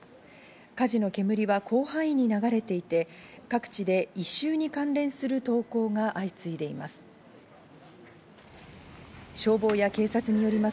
火事の煙は広範囲に流れていて、各地で異臭に関連する投稿が相次いでいます。